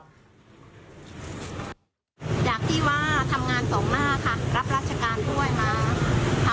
จากที่ว่าทำงานสองหน้าค่ะรับราชการด้วยมาค่ะ